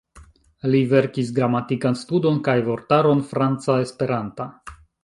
Li verkis gramatikan studon kaj vortaron franca-esperanta.